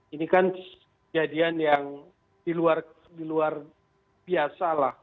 ini kan kejadian yang di luar biasa lah